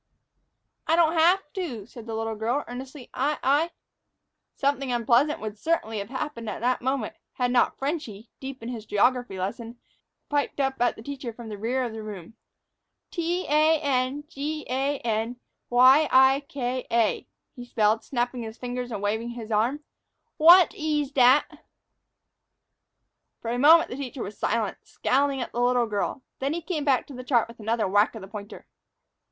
"I don't haf' to," said the little girl, earnestly; "I I " Something unpleasant would certainly have happened at that moment, had not "Frenchy," deep in his geography lesson, piped up at the teacher from the rear of the room. "T a n g a n y i k a," he spelled, snapping his fingers and waving his arm. "Wot eez dat?" For a moment the teacher was silent, scowling down at the little girl. Then he came back to the chart with another whack of the pointer.